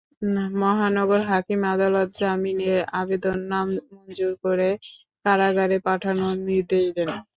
মহানগর হাকিম আদালত জামিনের আবেদন নামঞ্জুর করে কারাগারে পাঠানোর নির্দেশ দেন।